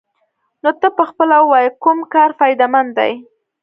نو ته پخپله ووايه کوم کار فايده مند دې.